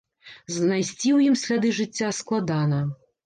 Знайсці ў ім сляды жыцця складана.